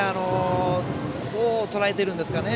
どうとらえてるんですかね。